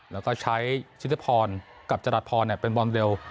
แล้วก็ใช้ชิตพรกับจรัสพรเป็นบอมเร็ว